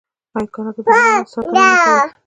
آیا کاناډا د حیواناتو ساتنه نه کوي؟